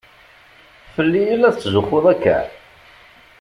Fell-i i la tetzuxxuḍ akka?